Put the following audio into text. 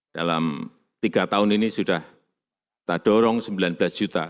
dalam tiga tahun ini sudah kita dorong sembilan belas juta